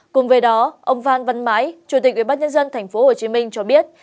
cùng với đó ông phan văn mãi chủ tịch ubnd tp hcm cho biết